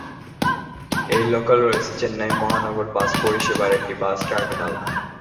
এই লোকাল রয়েছে চেন্নাই মহানগর বাস পরিষেবার একটি বাস টার্মিনাল।